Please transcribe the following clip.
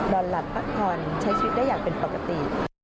นอนหลับพักผ่อนใช้ชีวิตได้อย่างเป็นปกติ